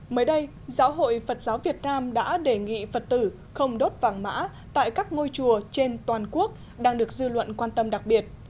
mới đây giáo hội phật giáo việt nam đã đề nghị phật tử không đốt vàng mã tại các ngôi chùa trên toàn quốc đang được dư luận quan tâm đặc biệt